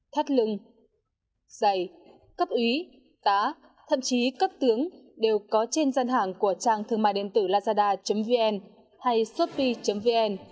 thắt lưng dày cấp úy tá thậm chí cấp tướng đều có trên dân hàng của trang thương mại điện tử nazara vn hay sopi vn